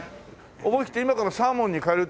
思いきって今からサーモンに変えるって気はない？